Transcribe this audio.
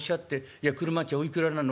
いや俥賃おいくらなの？